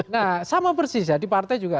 nah sama persis ya di partai juga